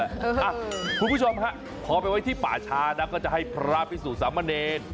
อ่ะคุณผู้ชมค่ะพอไปไว้ที่ป่าชานะก็จะให้พระพิสูจน์สามเมริน